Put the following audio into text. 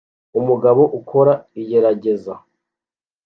Umugabo ukora igerageza